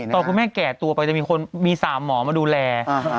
ตอนคุณแม่แก่ตัวไปจะมีคนมี๓หมอมาดูแล